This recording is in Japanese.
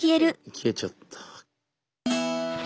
消えちゃった。